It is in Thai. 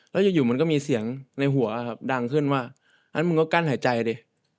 แล้วอยู่มันก็มีเสียงในหัวครับดังขึ้นว่างั้นมึงก็กั้นหายใจดิ